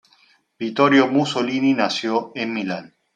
Vittorio Mussolini nació en Milán.